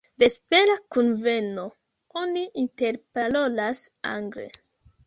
Vespera kunveno, oni interparolas angle.